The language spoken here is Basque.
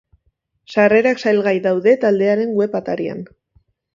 Sarrerak salgai daude taldearen web atarian.